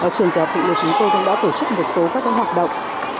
trường tiểu học thịnh liệt chúng tôi cũng đã tổ chức một số các hoạt động